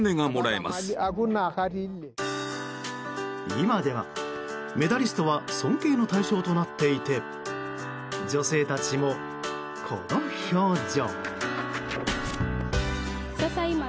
今ではメダリストは尊敬の対象となっていて女性たちも、この表情。